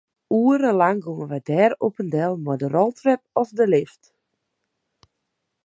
Oerenlang gongen wy dêr op en del mei de roltrep of de lift.